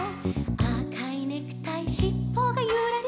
「あかいネクタイシッポがゆらり」